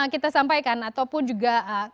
kita sampaikan ataupun juga